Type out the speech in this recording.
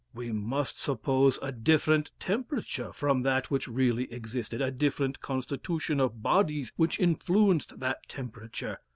We must suppose a different temperature from that which really existed a different constitution of bodies which influenced that temperature.